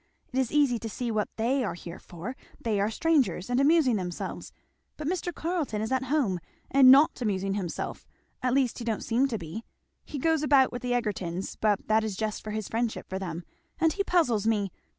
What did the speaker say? It is easy to see what they are here for, they are strangers and amusing themselves; but Mr. Carleton is at home, and not amusing himself, at least he don't seem to be. He goes about with the Egertons, but that is just for his friendship for them; and he puzzles me.